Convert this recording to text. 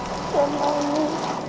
dan bunda ini